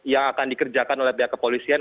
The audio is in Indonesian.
yang akan dikerjakan oleh pihak kepolisian